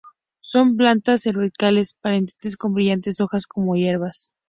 Son plantas herbáceas perennes con brillantes hojas como hierbas.